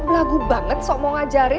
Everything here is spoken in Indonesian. kok belagu banget sok mau ngajarin